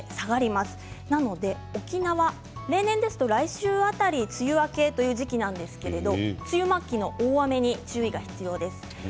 ですので沖縄は例年ですと来週辺りが梅雨明けという時期なんですが梅雨末期の大雨に注意が必要です。